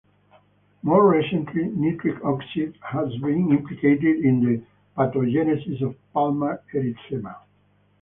More recently, nitric oxide has been implicated in the pathogenesis of palmar erythema.